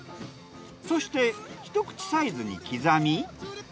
そして一口サイズに刻み。